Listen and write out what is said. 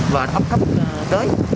và ấp thấp tới